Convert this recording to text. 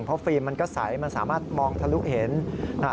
เพราะฟิล์มมันก็ใสมันสามารถมองทะลุเห็น